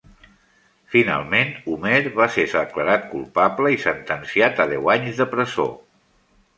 Finalment, Homer va ser declarat culpable i sentenciat a deu anys de presó.